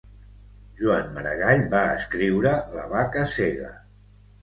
Joan Maragall va escriure la vaca cega